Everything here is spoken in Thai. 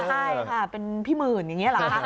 ใช่ค่ะเป็นพี่หมื่นอย่างนี้เหรอคะ